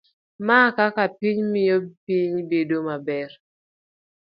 A. mar Kaka Piny Miyo Piny Bedo Maber